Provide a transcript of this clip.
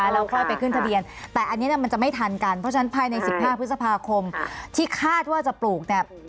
แล้วค่อยไปขึ้นทะเบียนแต่อันนี้มันจะไม่ทันกันเพราะฉะนั้นภายใน๑๕พฤษภาคมที่คาดว่าจะปลูกเนี่ย